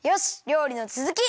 りょうりのつづき！